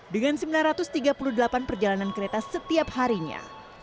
dengan sembilan ratus tiga puluh delapan perjalanan kereta setiap harinya